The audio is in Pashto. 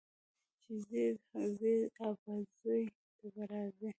چې ځې، ځې ابازوی ته به راځې.